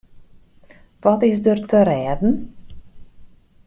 Wat is der te rêden?